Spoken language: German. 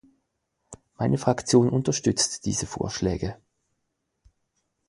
Meine Fraktion unterstützt diese Vorschläge.